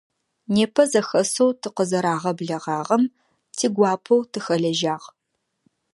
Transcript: Непэ зэхэсэу тыкъызэрагъэблэгъагъэм тигуапэу тыхэлэжьагъ.